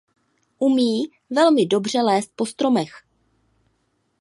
Umí velmi dobře lézt po stromech.